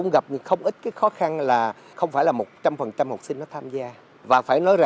nó sẽ gian ra